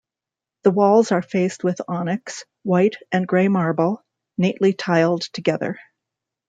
The walls are faced with onyx, white and grey marble, neatly tiled together.